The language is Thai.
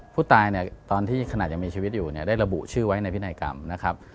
ผู้ตายเนี่ยตอนที่ขนาดยังมีชีวิตอยู่เนี่ยได้ระบุชื่อไว้ในพินัยกรรมนะครับ